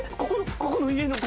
ここの家の。